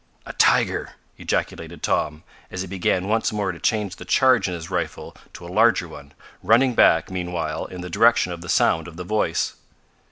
"A tiger!" ejaculated Tom, as he began once more to change the charge in his rifle to a larger one, running back, meanwhile, in the direction of the sound of the voice.